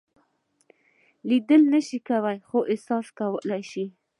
لیدلی یې نشئ خو احساسولای یې شئ.